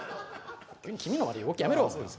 急に気味の悪い動きやめろ。